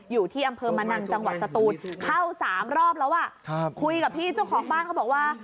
อยู่ที่อำเภอมะนังจังหวัดสตูนเข้าสามรอบแล้วอ่ะคุยกับพี่เจ้าของบ้านเขาบอกว่า